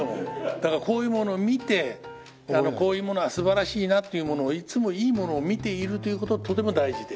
だからこういうものを見てこういうものは素晴らしいなっていうものをいつもいいものを見ているという事がとても大事で。